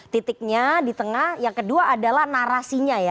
titiknya di tengah yang kedua adalah narasinya ya